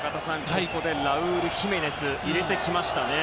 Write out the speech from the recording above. ここでラウール・ヒメネスを入れてきましたね。